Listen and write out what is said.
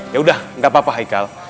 yaudah gak apa apa haikal